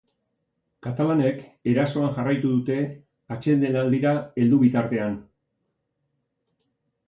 Katalanek erasoan jarraitu dute atsedenaldira heldu bitartean.